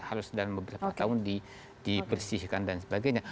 harus dalam beberapa tahun dibersihkan dan sebagainya